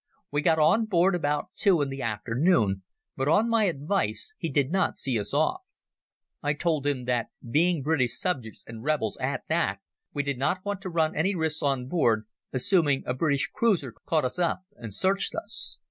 We got on board about two in the afternoon, but on my advice he did not see us off. I told him that, being British subjects and rebels at that, we did not want to run any risks on board, assuming a British cruiser caught us up and searched us.